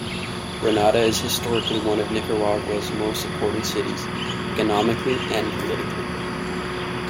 Granada is historically one of Nicaragua's most important cities, economically and politically.